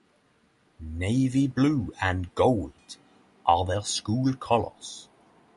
Navy blue and gold are their school colors.